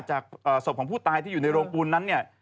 จากศพของผู้ตายที่อยู่ในโรงปูนนั้นเนี่ย